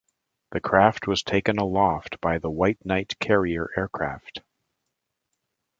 The craft was taken aloft by the White Knight carrier aircraft.